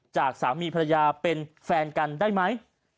จากสามีภรรยาเป็นแฟนกันได้ไหม